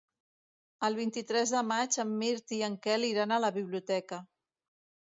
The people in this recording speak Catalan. El vint-i-tres de maig en Mirt i en Quel iran a la biblioteca.